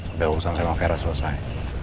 udah usang tema vera selesai